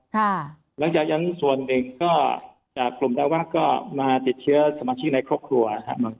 หลังจากนั้นส่วนหนึ่งก็จากกลุ่มดาววัดก็มาติดเชื้อสมาชิกในครอบครัวครับ